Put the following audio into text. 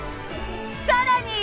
さらに。